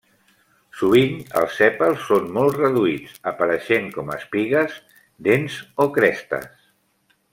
Sovint els sèpals són molt reduïts, apareixent com a espigues, dents o crestes.